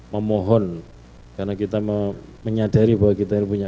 memohon karena kita menyadari bahwa kita punya